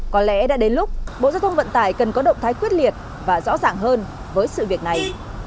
có lẽ đã đến lúc bộ giao thông vận tải cần có động thái quyết liệt và rõ ràng hơn với sự việc này